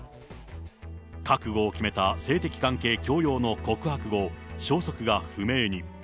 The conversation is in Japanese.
覚悟を決めた性的関係強要の告白後、消息が不明に。